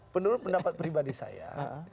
menurut pendapat pribadi saya